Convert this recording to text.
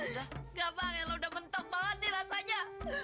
nggak bang yang lo udah mentok banget nih rasanya